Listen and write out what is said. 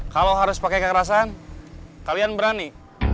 kalau harus pakai kekerasan kalian berani